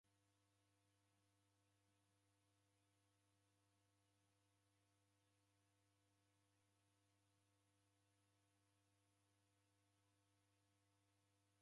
Mwana wa Kiw'omi na kiw'aka